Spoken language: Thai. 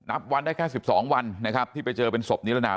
นับวันได้แค่๑๒วันนะครับที่ไปเจอเป็นศพนิรนาม